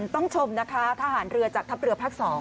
ต้องชมนะคะทหารเรือจากทัพเรือภาค๒